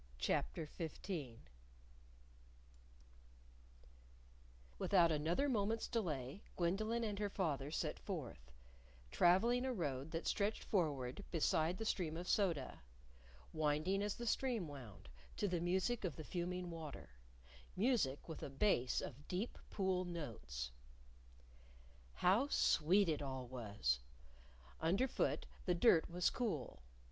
CHAPTER XV Without another moment's delay Gwendolyn and her father set forth, traveling a road that stretched forward beside the stream of soda, winding as the stream wound, to the music of the fuming water music with a bass of deep pool notes. How sweet it all was! Underfoot the dirt was cool.